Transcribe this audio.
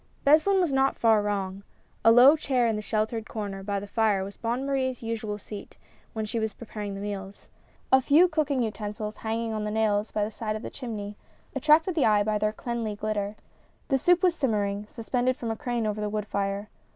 Beslin was not far wrong. A low chair in a shel tered corner by the fire was Bonne Marie's usual seat when she was preparing the meals. A few cooking utensils hanging on nails by the side of the chimney, attracted the eye by their cleanly glittbr. The soup was simmering, suspended from a crane over the wood fire.